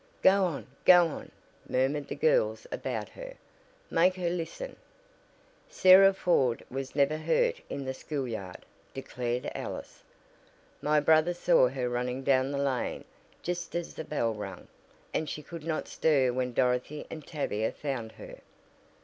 "Go on! Go on!" murmured the girls about her. "Make her listen." "Sarah Ford was never hurt in the school yard," declared Alice. "My brother saw her running down the lane just as the bell rang, and she could not stir when Dorothy and Tavia found her."